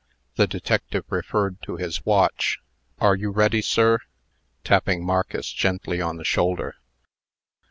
The detective referred to his watch. "Are you ready, sir?" tapping Marcus gently on the shoulder.